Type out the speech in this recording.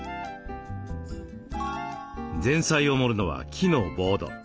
前菜を盛るのは木のボード。